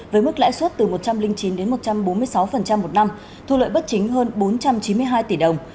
với mức lãi suất từ một trăm linh chín đến một trăm bốn mươi sáu một năm thu lợi bất chính hơn bốn trăm chín mươi hai tỷ đồng